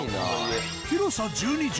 広さ１２帖